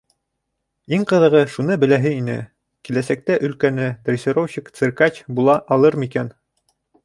Иң ҡыҙығы, шуны беләһе ине: киләсәктә өлкәне дрессировщик-циркач була алыр микән?